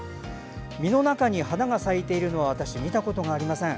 実の中に花が咲いているのは私、見たことがありません。